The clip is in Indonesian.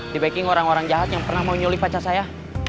di backing orang orang jahat yang pernah mau nyulik pacar saya